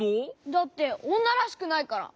だっておんならしくないから！